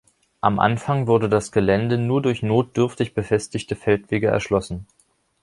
Am Anfang wurde das Gelände nur durch notdürftig befestigte Feldwege erschlossen.